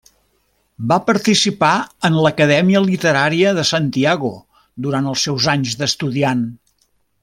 Va participar en l'Acadèmia Literària de Santiago durant els seus anys d'estudiant.